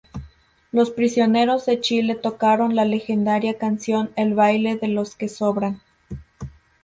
Los Prisioneros de Chile tocaron la legendaria canción "El Baile de los que Sobran".